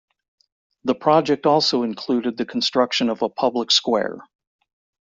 The project also included the construction of a public square.